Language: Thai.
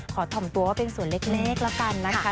ถ่อมตัวว่าเป็นส่วนเล็กแล้วกันนะคะ